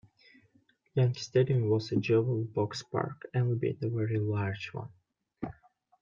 Yankee Stadium was a jewel box park, albeit a very large one.